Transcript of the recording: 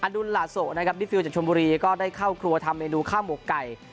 ดุลลาโซนะครับมิดฟิลจากชนบุรีก็ได้เข้าครัวทำเมนูข้าวหมกไก่